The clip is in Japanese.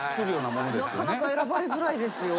なかなか選ばれづらいですよ。